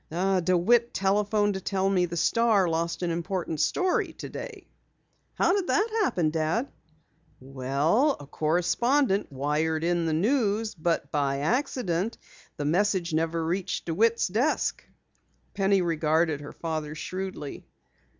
"DeWitt telephoned to tell me the Star lost an important story today." "How did that happen, Dad?" "Well, a correspondent wired in the news, but by accident the message never reached DeWitt's desk." Penny regarded her father shrewdly.